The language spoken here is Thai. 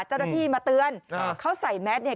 เจ้าหน้าที่มาเตือนเขาใส่แมสเนี่ย